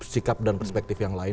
sikap dan perspektif yang lain